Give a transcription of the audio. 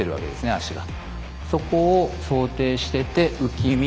足が。